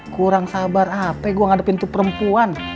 kurang sabar apa gua ngadepin tuh perempuan